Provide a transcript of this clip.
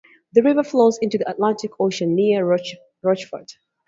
The river flows into the Atlantic Ocean near Rochefort.